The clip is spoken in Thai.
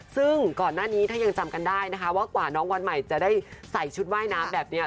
ซึ่งก่อนหน้านี้ถ้ายังจำกันได้นะคะว่ากว่าน้องวันใหม่จะได้ใส่ชุดว่ายน้ำแบบนี้